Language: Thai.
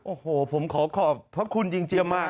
โอ้โฮผมขอขอบพระคุณจริงมาก